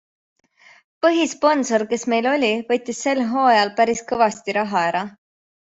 Põhisponsor, kes meil oli, võttis sel hooajal päris kõvasti raha ära.